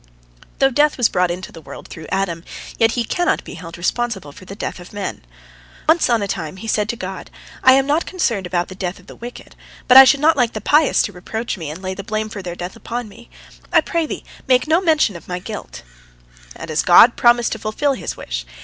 " Though death was brought into the world through Adam, yet he cannot be held responsible for the death of men. Once on a time he said to God: "I am not concerned about the death of the wicked, but I should not like the pious to reproach me and lay the blame for their death upon me. I pray Thee, make no mention of my guilt." And God promised to fulfil his wish.